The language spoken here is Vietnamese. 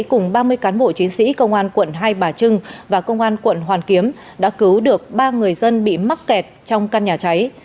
cùng ba mươi cán bộ chiến sĩ công an quận hai bà trưng và công an quận hoàn kiếm đã cứu được ba người dân bị mắc kẹt trong căn nhà cháy